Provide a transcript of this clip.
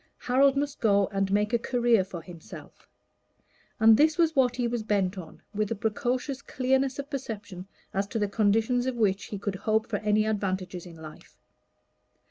Harold must go and make a career for himself and this was what he was bent on, with a precocious clearness of perception as to the conditions on which he could hope for any advantages in life.